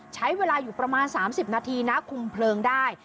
ใช้เวลาอยู่ประมาณ๓๐นาทีนะคุมเพลิงได้